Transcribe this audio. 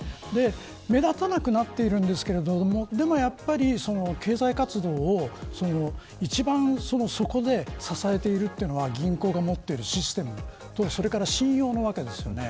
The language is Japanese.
目立たなくなっているんですけれどもでも、経済活動を一番、底で支えているというのは銀行が持っているシステムとそれから信用なわけですよね。